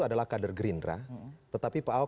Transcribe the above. adalah kader gerindra tetapi pak ahok